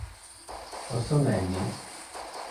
o sona e ni: